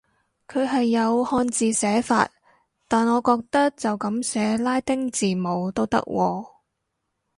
佢係有漢字寫法，但我覺得就噉寫拉丁字母都得喎